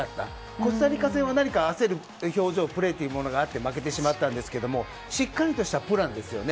コスタリカ戦は焦るプレーや表情があって負けてしまったんですがしっかりとしたプランですよね。